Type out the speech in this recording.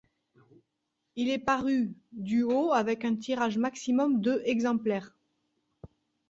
Il est paru du au avec un tirage maximum de exemplaires.